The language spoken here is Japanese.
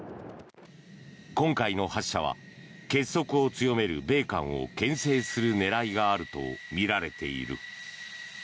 今回の発射は結束を強める米韓をけん制する狙いがあるとみられている。